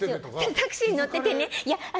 タクシーに乗っててね